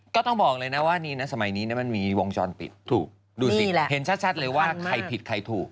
ก็ต้องบอกเลยนะว่านี่นะสมัยนี้มันมีวงจรปิดถูกดูสิเห็นชัดเลยว่าใครผิดใครถูก